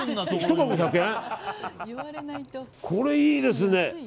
これ、いいですね。